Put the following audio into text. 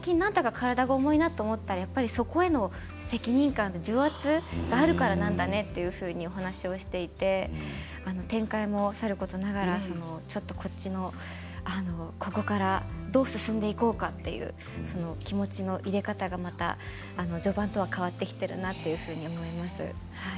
体が重いなと思ったら、そこへの責任感重圧があるからなんだねというふうに話をしていて展開もさることながらちょっとこっちのここからどう進んでいこうかという気持ちの入れ方が、また序盤とは変わってきているなというふうに思います。